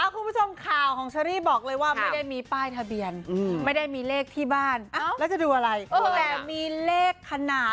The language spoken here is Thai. คุณผู้ชมข่าวของเชรี่บอกเลยว่ามันไม่ได้มีป้ายทะเบียน